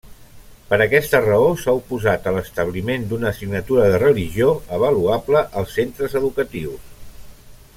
Per aquesta raó s'ha oposat a l'establiment d'una assignatura de religió avaluable als centres educatius.